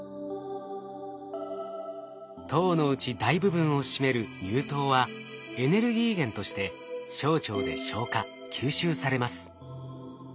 糖のうち大部分を占める乳糖はエネルギー源として小腸で消化吸収されます。